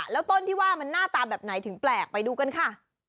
แล้วต้นที่ว่ามันหน้าตาแบบไหนถึงแปลกไปดูกันค่ะ